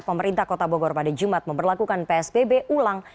pemerintah kota bogor pada jumat memperlakukan psbb ulang